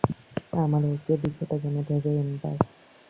আমার ওকে বিষয়টা জানাতে হবে, এম্বার।